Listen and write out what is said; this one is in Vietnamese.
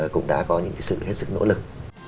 cũng đã có những sự hết sức nỗ lực